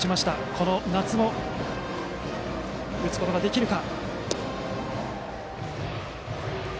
この夏も打つことができるか。